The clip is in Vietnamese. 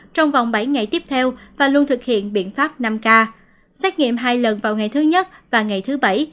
trong vòng bảy ngày tiếp theo và luôn thực hiện biện pháp năm k xét nghiệm hai lần vào ngày thứ nhất và ngày thứ bảy